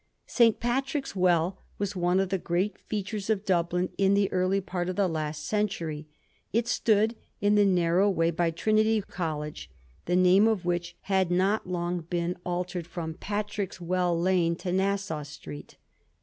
St. Patrick's Well was one of the great features of Dublin in the early part of the last century. It stood in the narrow way by Trinity College, the name of which had not long been altered from Patrick's Well Lane to Nassau Street.